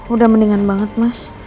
udah mendingan banget mas